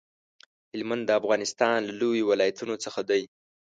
هلمند د افغانستان له لويو ولايتونو څخه دی.